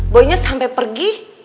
boynya sampe pergi